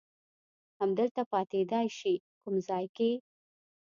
همدلته پاتېدای شې، کوم ځای کې؟